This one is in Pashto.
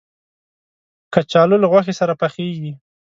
کچالو له غوښې سره پخېږي